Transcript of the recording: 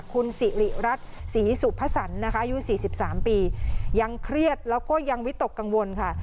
คุณสิริรัตน์ศรีสุพสันนะคะอายุ๔๓ปียังเครียดแล้วก็ยังวิตกกังวลค่ะ